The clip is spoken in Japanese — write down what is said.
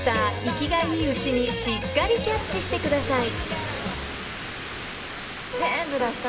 生きがいいうちにしっかりキャッチしてください］